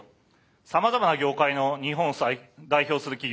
さまざまな業界の日本代表する企業